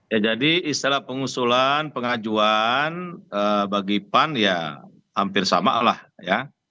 ya jadi istilah pengusulan pengajuan bagi pan ya hampir sama lah ya